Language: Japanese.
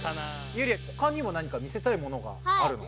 ユウリほかにも何か見せたいものがあるの？